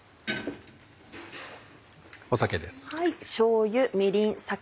酒です。